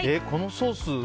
このソース。